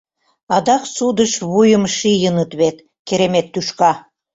Адак судыш вуйым шийыныт вет, керемет тӱшка!